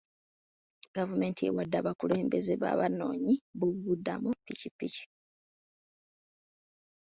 Gavumenti ewadde abakulembeze b'abanoonyi boobubudamu ppikipiki.